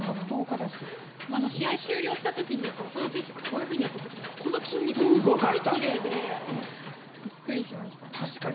試合終了した時に浅野選手がこういうふうにやった時ここの筋肉がすごく奇麗でびっくりしましたね。